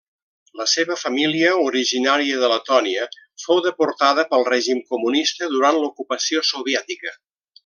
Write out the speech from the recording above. La seva família, originària de Letònia, fou deportada pel règim comunista durant l'ocupació soviètica.